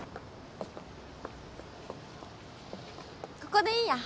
ここでいいや！